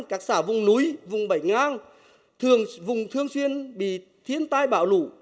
các xã vùng núi vùng bảnh ngang thường vùng thường xuyên bị thiên tai bạo lũ